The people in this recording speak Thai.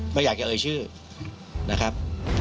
ไม่อยากจะเอ่ยชื่อนะครับ